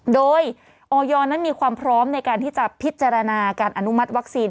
โดยออยนั้นมีความพร้อมในการที่จะพิจารณาการอนุมัติวัคซีน